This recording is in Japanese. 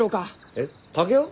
えっ竹雄？